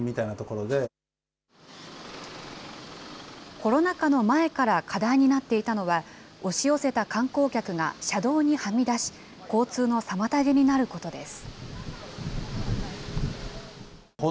コロナ禍の前から課題になっていたのは、押し寄せた観光客が車道にはみ出し、交通の妨げになることです。